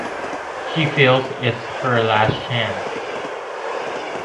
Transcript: She feels it's her last chance.